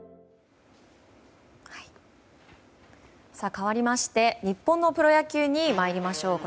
かわりまして日本のプロ野球に参りましょう。